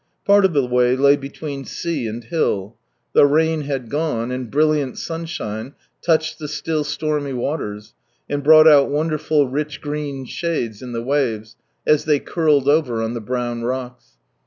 Part of the way lay between sea and hill. The rain had gone, and brilliant sunshine touched the still stormy waters, and brought out wonderful rich green shades in the waves, as they curled over on the brown rocks.